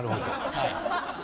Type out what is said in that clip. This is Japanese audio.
はい。